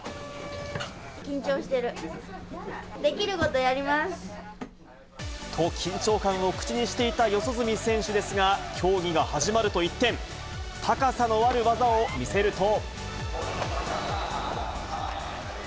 緊張してる。と、緊張感を口にしていた四十住選手ですが、競技が始まると一転、高さのある技を見せると。